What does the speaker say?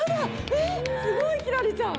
えっすごい輝星ちゃん。